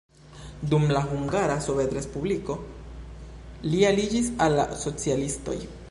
Dum la Hungara Sovetrespubliko li aliĝis al la socialistoj.